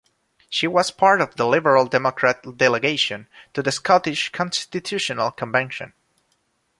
She was part of the Liberal Democrat delegation to the Scottish Constitutional Convention.